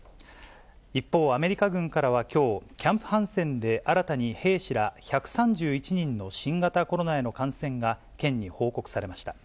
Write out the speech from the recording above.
一方、アメリカ軍からはきょう、キャンプ・ハンセンで新たに兵士ら１３１人の新型コロナへの感染が県に報告されました。